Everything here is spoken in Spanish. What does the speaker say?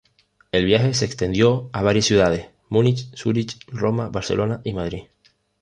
El viaje se extendió a varias ciudades: Múnich, Zúrich, Roma, Barcelona y Madrid.